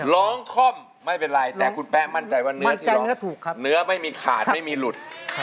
ร้องค่อมไม่เป็นไรแต่คุณแป๊มันใจว่าเนื้อไม่มีขาดไม่มีหลุด